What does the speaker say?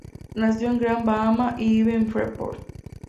Nació en Gran Bahama y vive en Freeport.